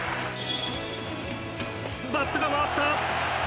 バットが回った。